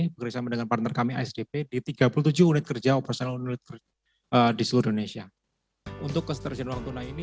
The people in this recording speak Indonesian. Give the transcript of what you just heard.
berkaitan dengan partner kami asdp di tiga puluh tujuh unit kerja operasional di seluruh indonesia